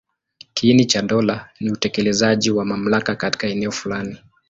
Kiini cha dola ni utekelezaji wa mamlaka katika eneo fulani.